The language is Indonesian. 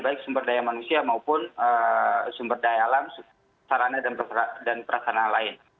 baik sumber daya manusia maupun sumber daya alam sarana dan perasana lain